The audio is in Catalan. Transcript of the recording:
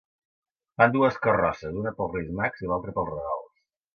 Fan dues carrosses, una per als Reis Mags i l'altra per als regals.